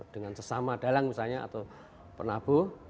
dengan sesama dalang misalnya atau penabuh